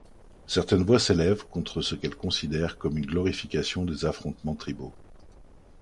Certaines voix s'élèvent contre ce qu'elles considèrent comme une glorification des affrontements tribaux.